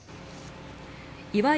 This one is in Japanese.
岩井